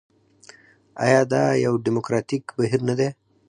آیا دا یو ډیموکراټیک بهیر نه دی؟